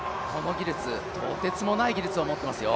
とてつもない技術を持っていますよ。